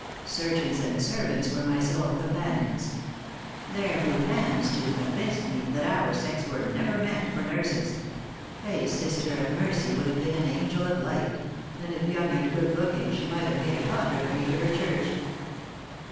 " Surgeons and servants were my sole companions. Their rude hands, too, convinced me that our sex were never meant for nurses. A sister of mercy would have been an angel of light ; and if young and good looking, she might have made a convert of me to her church."